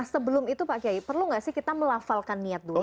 sebelum itu pak kiai perlu nggak sih kita melafalkan niat dulu